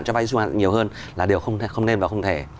cho vay dư nợ nhiều hơn là điều không nên và không thể